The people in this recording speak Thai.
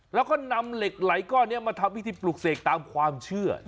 แล้วก็นำเหล็กไหลก้อนนี้มาทำพิธีปลูกเสกตามความเชื่อ